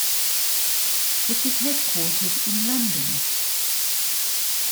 It is headquartered in London.